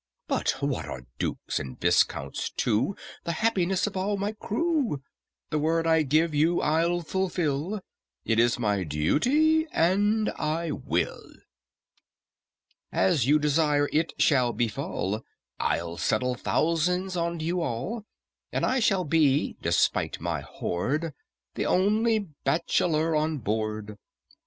"But what are dukes and viscounts to The happiness of all my crew? The word I gave you I'll fulfil; It is my duty, and I will. "As you desire it shall befall, I'll settle thousands on you all, And I shall be, despite my hoard, The only bachelor on board."